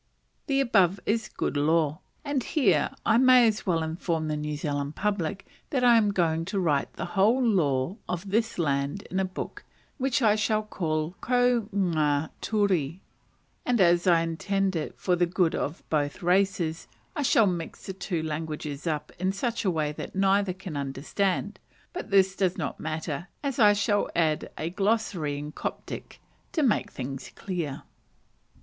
The above is good law: and here I may as well inform the New Zealand public that I am going to write the whole law of this land in a book, which I shall call "Ko nga ture;" and as I intend it for the good of both races, I shall mix the two languages up in such a way that neither can understand; but this does not matter, as I shall add a "glossary," in Coptic, to make things clear.